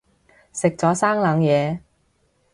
食咗生冷嘢